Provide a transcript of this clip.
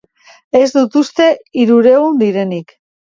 Ez dut uste hirurehun direnik.